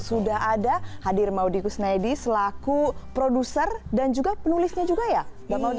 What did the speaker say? sudah ada hadir maudie kusnedi selaku produser dan juga penulisnya juga ya mbak maudie